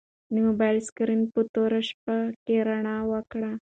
د موبایل سکرین په توره شپه کې رڼا وکړه.